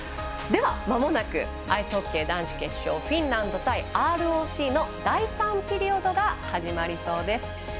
では、まもなくアイスホッケー男子決勝フィンランド対ＲＯＣの第３ピリオドが始まりそうです。